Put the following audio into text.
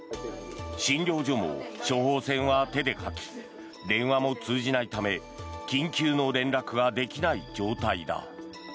診療所も処方せんは手で書き電話も通じないため緊急の連絡ができない状態だ。